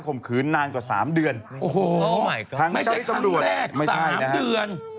ผมขืนนานกว่าสามเดือนโอ้โหไม่ใช่ครั้งแรกสามเดือน